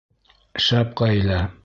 «Шәп ғаилә!»